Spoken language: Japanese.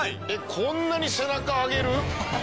こんなに背中上げる？